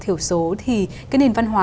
thiểu số thì cái nền văn hóa